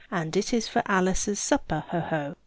And it is for Alice's supper, ho! ho!"